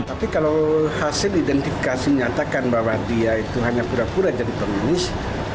tapi kalau hasil identifikasi nyatakan bahwa dia itu hanya pura pura jadi komunis